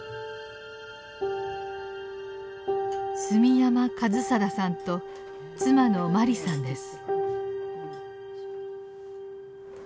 住山一貞さんと妻のマリさんです。